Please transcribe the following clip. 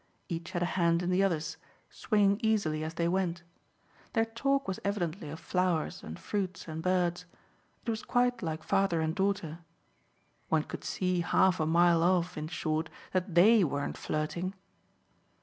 Each had a hand in the other's, swinging easily as they went; their talk was evidently of flowers and fruits and birds; it was quite like father and daughter. One could see half a mile off in short that THEY weren't flirting.